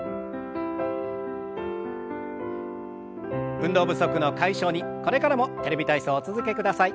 運動不足の解消にこれからも「テレビ体操」お続けください。